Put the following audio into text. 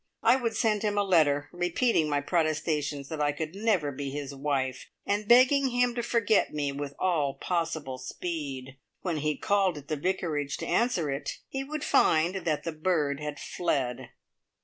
I would send him a letter, repeating my protestations that I could never be his wife, and begging him to forget me with all possible speed. When he called at the Vicarage to answer it, he would find that the bird had fled.